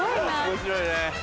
面白いね。